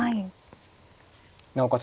なおかつ